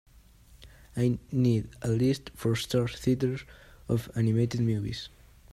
I need a list for Star Theatres of animated movies